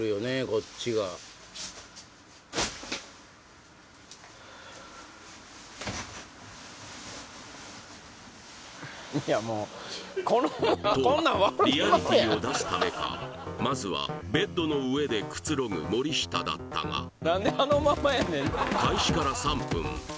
こっちがとリアリティーを出すためかまずはベッドの上でくつろぐ森下だったが開始から３分